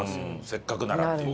せっかくならっていう。